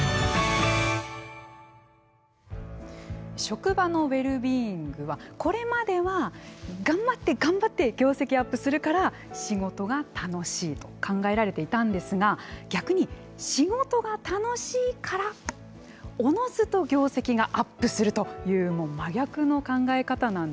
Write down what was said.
職場のウェルビーイングはこれまでは、頑張って頑張って業績アップするから仕事が楽しいと考えられていたんですが逆に、仕事が楽しいからおのずと業績がアップするという真逆の考え方なんですよね。